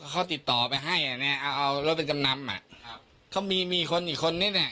เขาติดต่อไปให้เนี่ยเอารถไปจำนำอ่ะเขามีคนอีกคนนี้เนี่ย